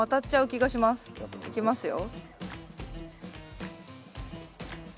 いきますよ。